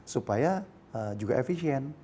supaya juga efisien